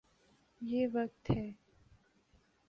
یہ وقت ہے۔